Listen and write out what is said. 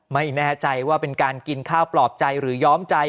ไม่แน่ใจว่าเป็นการกินข้าวปลอบใจหรือย้อมใจ